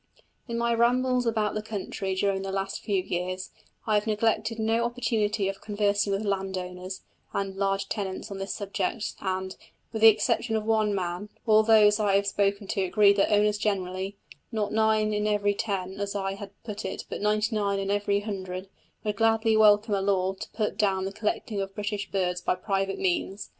In my rambles about the country during the last few years, I have neglected no opportunity of conversing with landowners and large tenants on this subject, and, with the exception of one man, all those I have spoken to agreed that owners generally not nine in every ten, as I had put it, but ninety nine in every hundred would gladly welcome a law to put down the collecting of British birds by private persons.